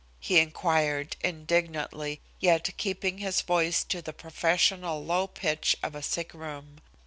he inquired indignantly, yet keeping his voice to the professional low pitch of a sick room.